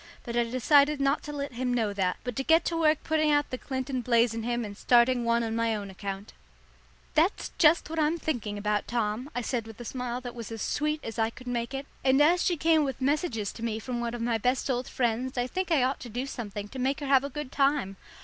But I decided not to let him know that, but to get to work putting out the Clinton blaze in him and starting one on my own account. "That's just what I'm thinking about, Tom," I said with a smile that was as sweet as I could make it, "and as she came with messages to me from one of my best old friends I think I ought to do something to make her have a good time.